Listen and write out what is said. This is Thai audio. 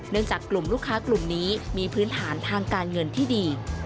จากกลุ่มลูกค้ากลุ่มนี้มีพื้นฐานทางการเงินที่ดี